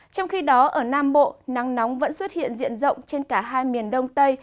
trong khi đó ở nam bộ nắng nóng vẫn xuất hiện diện rộng trên cả hai miền đông tây